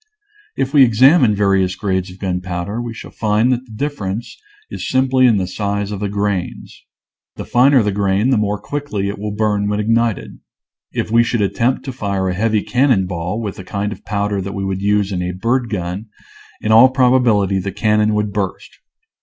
If we examine various grades of gunpowder we shall find that the difference is simply in the size of the grains ; the finer the grain the more quickly it will burn when ignited. If we should attempt to fire a heavy cannon ball with the kind of powder that we would use in a bird gun, in all probability the cannon would burst.